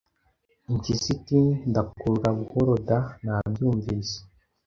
Impyisi iti Ndakurura buhoro da nabyumvise